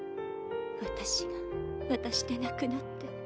私が私でなくなって。